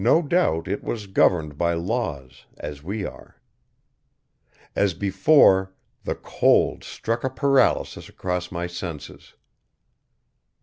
No doubt It was governed by laws, as we are. As before, the cold struck a paralysis across my senses.